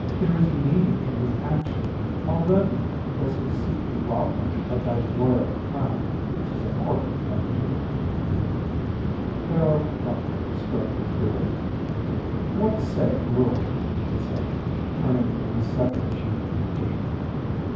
There is meaning in his action. Already does he seek to rob thee of thy royal crown. 'Tis a portent of evil." Pharaoh thoughtfully stroked his beard. "What sayeth Reuel?" he asked, turning to his second chief magician.